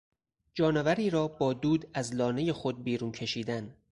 جانوری را با دود از لانهی خود بیرون کشیدن